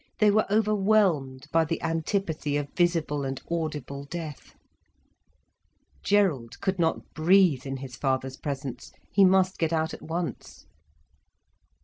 They were overwhelmed by the antipathy of visible and audible death. Gerald could not breathe in his father's presence. He must get out at once.